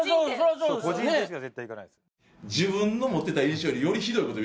そう個人店しか絶対行かないです